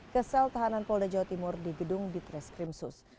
ke sel tahanan polda jawa timur di gedung ditreskrimsus